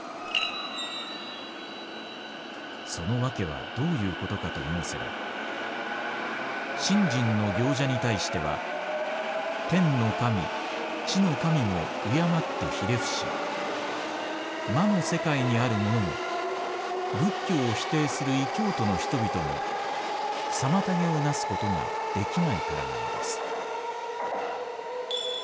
そのわけはどういうことかと申せば信心の行者に対しては天の神地の神も敬ってひれ伏し魔の世界にあるものも仏教を否定する異教徒の人々も妨げをなすことができないからなのです。